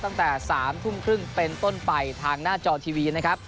ตั้งแต่๓ทุ่มครึ่งเป็นต้นไปทางหน้าจอทีวีนะครับ